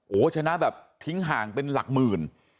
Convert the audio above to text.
โอ้โหชนะแบบทิ้งห่างเป็นหลักหมื่น